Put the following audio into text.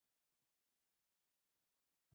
সে জিনদের একজন ছিল।